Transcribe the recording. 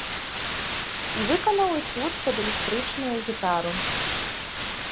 І выканаў эцюд пад электрычную гітару.